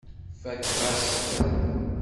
Fakeɣ-as-t.